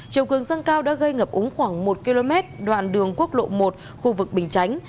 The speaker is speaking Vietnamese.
chiều cường dân cao đã gây ngập úng khoảng một km đoạn đường quốc lộ một khu vực bình chánh